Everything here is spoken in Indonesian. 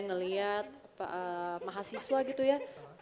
ngelihat mahasiswa gitu ya